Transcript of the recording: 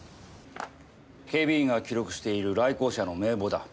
警備員が記録している来校者の名簿だ。